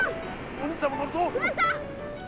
お兄ちゃんも乗るぞ。